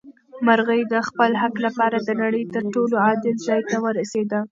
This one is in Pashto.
مرغۍ د خپل حق لپاره د نړۍ تر ټولو عادل ځای ته ورسېده.